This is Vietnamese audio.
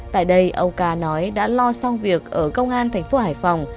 tại đây ông ca nói đã lo xong việc ở công an tp hải phòng